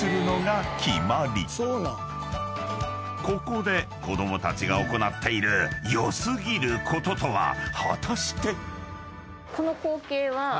［ここで子供たちが行っている良過ぎることとは果たして？］